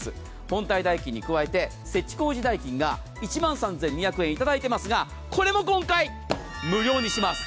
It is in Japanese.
本体代金に加えて設置工事代金が１万３２００円いただいていますがこれも今回無料にします。